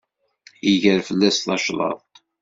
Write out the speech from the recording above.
Iger fell-as tacḍaḍt.